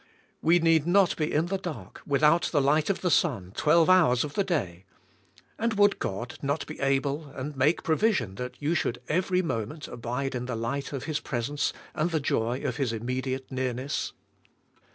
We need not be in the dark, without the light of the sun, twelve hours of the day, and would God not be able and make provision that you should every moment abide in the light of His presence and the joy of His immediate nearness.